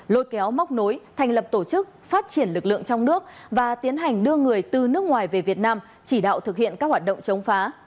lôi kéo móc nối thành lập tổ chức phát triển lực lượng trong nước và tiến hành đưa người từ nước ngoài về việt nam chỉ đạo thực hiện các hoạt động chống phá